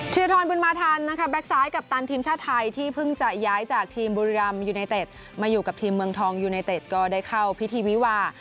ธิรทรบุญมาทันนะคะแก๊กซ้ายกัปตันทีมชาติไทยที่เพิ่งจะย้ายจากทีมบุรีรัมยูไนเต็ดมาอยู่กับทีมเมืองทองยูไนเต็ดก็ได้เข้าพิธีวิวา